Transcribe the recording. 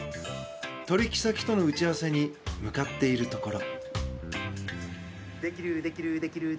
取引先との打ち合わせに向かっているところ。